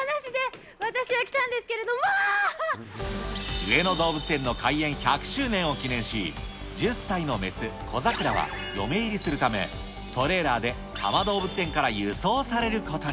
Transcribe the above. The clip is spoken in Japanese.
上野動物園の開園１００周年を記念し、１０歳の雌、コザクラは嫁入りするため、トレーラーで多摩動物園から輸送されることに。